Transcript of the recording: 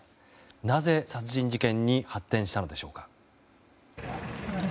なぜ、殺人事件に発展したのでしょうか。